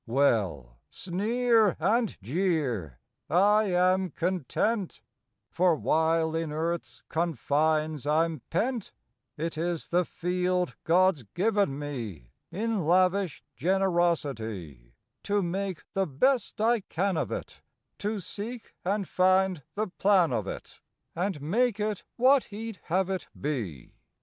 Well, sneer and jeer I am content, For while in Earth s confines I m pent It is the field God s given me In lavish generosity, To make the best I can of it, To seek and find the plan of it, And make it what He d have it be.